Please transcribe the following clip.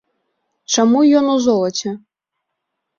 Чаму ён у золаце?